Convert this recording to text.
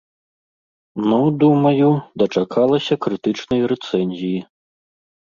Ну, думаю, дачакалася крытычнай рэцэнзіі.